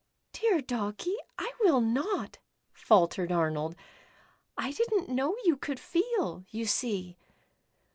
"Dear Doggie, I will not," faltered Arnold, " I did n't know you could feel, you see."